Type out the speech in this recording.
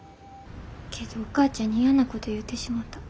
けどお母ちゃんに嫌なこと言うてしもた。